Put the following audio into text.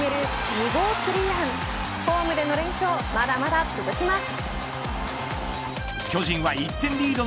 ２号スリーランホームでの連勝はまだまだ続きます。